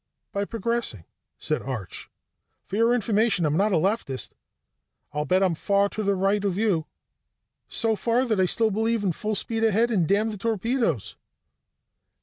"By progressing," said Arch. "For your information, I am not a leftist; I'll bet I'm far to the right of you. So far, that I still believe in full speed ahead and damn the torpedoes."